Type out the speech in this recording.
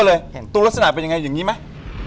เห็นตัวเลยตัวลักษณะเป็นยังไงอย่างนี้ไหม